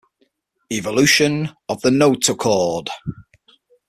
Evolution of the notochord.